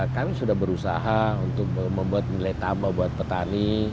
kami sudah berusaha untuk membuat nilai tambah buat petani